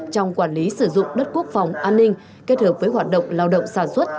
trong quản lý sử dụng đất quốc phòng an ninh kết hợp với hoạt động lao động sản xuất